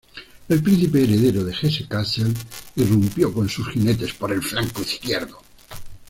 El Príncipe heredero de Hesse-Kassel irrumpió con sus jinetes por el flanco izquierdo.